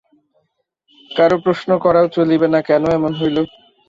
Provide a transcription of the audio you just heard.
কারো প্রশ্ন করাও চলিবে না কেন এমন হইল।